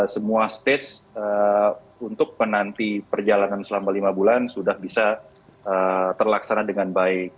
semua stage untuk penanti perjalanan selama lima bulan sudah bisa terlaksana dengan baik